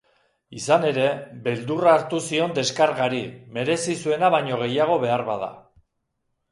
Izan ere, beldurra hartu zion deskargari, merezi zuena baino gehiago beharbada.